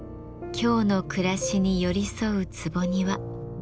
京の暮らしに寄り添う坪庭。